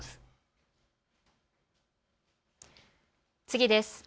次です。